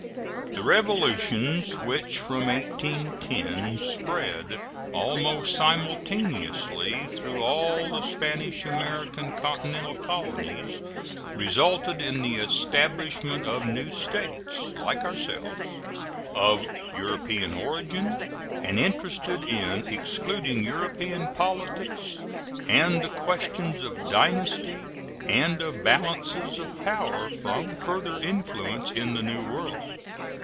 The revolutions which from 1810 spread almost simultaneously through all the Spanish American continental colonies resulted in the establishment of new States, like ourselves, of European origin, and interested in excluding European politics and the questions of dynasty and of balances of power from further influence in the New World.